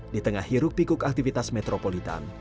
di tengah hiruk pikuk aktivitas metropolitan